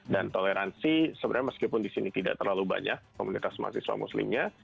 dan toleransi sebenarnya meskipun di sini tidak terlalu banyak komunitas mahasiswa muslimnya